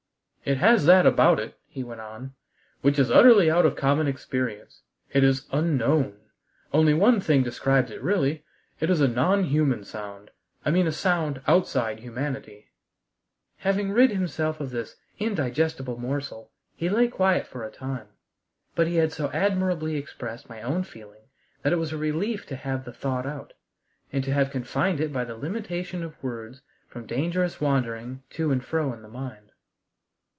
"It has that about it," he went on, "which is utterly out of common experience. It is unknown. Only one thing describes it really: it is a non human sound; I mean a sound outside humanity." Having rid himself of this indigestible morsel, he lay quiet for a time; but he had so admirably expressed my own feeling that it was a relief to have the thought out, and to have confined it by the limitation of words from dangerous wandering to and fro in the mind.